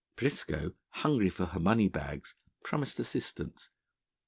Briscoe, hungry for her money bags, promised assistance.